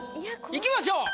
いきましょう。